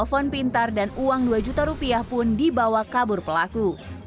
telepon pintar dan uang dua juta rupiah pun dibawa kabur pelaku